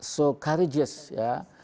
sangat berani ya